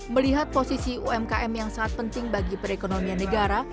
melihat posisi umkm yang sangat penting bagi perekonomian negara